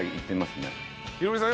ヒロミさん